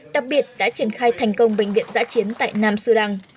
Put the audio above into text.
đặc biệt đã triển khai thành công bệnh viện giã chiến tại nam sudan